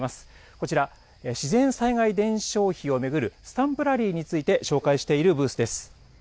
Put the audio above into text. こちら、自然災害伝承碑を巡るスタンプラリーについて紹介しているブースです。